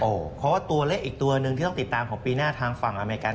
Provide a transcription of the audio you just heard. เพราะว่าตัวเล็กอีกตัวหนึ่งที่ต้องติดตามของปีหน้าทางฝั่งอเมริกา